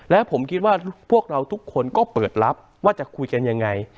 และผมคิดว่าพวกเราทุกคนก็เปิดรับว่าจะคุยกันยังไง